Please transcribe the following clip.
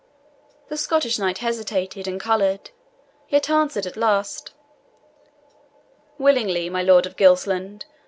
The Scottish knight hesitated and coloured, yet answered at last, "Willingly, my Lord of Gilsland.